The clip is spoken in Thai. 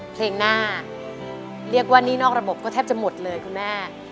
เพลงหน้าเรียกว่าหนี้นอกระบบก็แทบจะหมดเลยคุณแม่